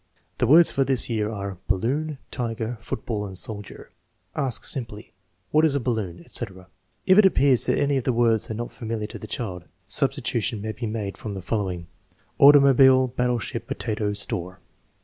The words for this year are balloon, tiger, football, and soldier. Ask simply: What is a balloon?" etc. If it appears that any of the words are not familiar to the child, substitution may be made from the following: automobile, battle ship, potato, store.